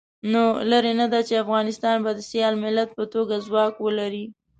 نو لرې نه ده چې افغانستان به د سیال ملت په توګه ځواک ولري.